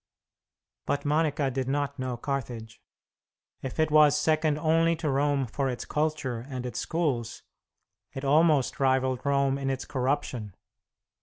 But Monica did not know Carthage. If it was second only to Rome for its culture and its schools, it almost rivalled Rome in its corruption.